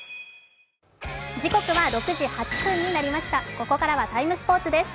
ここから「ＴＩＭＥ，スポーツ」です。